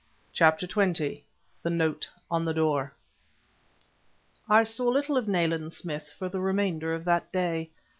CHAPTER XX THE NOTE ON THE DOOR I saw little of Nayland Smith for the remainder of that day.